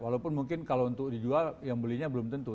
walaupun mungkin kalau untuk dijual yang belinya belum tentu